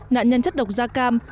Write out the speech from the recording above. nạn nhân chất độc gia cam